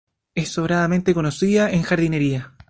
Es sobradamente conocida en jardinería.